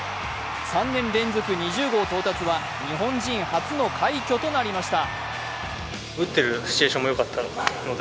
３年連続２０号到達は日本人初の快挙となりました。